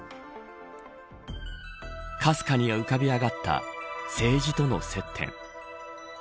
かすかに浮かび上がった政治との接点。